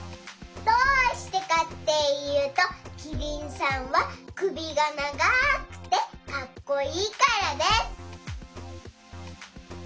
どうしてかっていうとキリンさんはくびがながくてかっこいいからです。